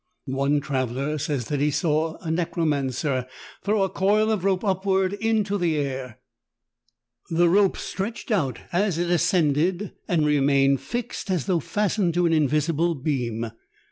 One traveler says that he saw a necromancer throw a coil of rope upward into the air; the rope stretched out as it ascended and remained fixed as though fastened to an invisible beam.